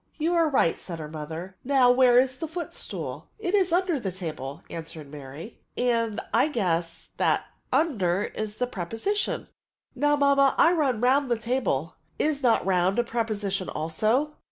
" You are right," said her mother. " Now, where is the footstool ?"It is under the table," answered Mary ; 92 PREPOSmONfl* " and I guess ' That under is a preposition* Now, mamma, I run round the table ;' is not round a preposition also